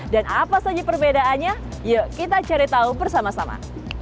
dan apa saja perbedaannya yuk kita cari tahu bersama sama